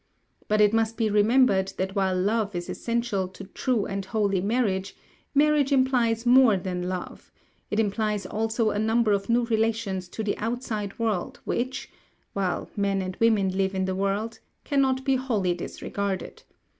But it must be remembered that while love is essential to true and holy marriage, marriage implies more than love; it implies also a number of new relations to the outside world which while men and women live in the world cannot be wholly disregarded.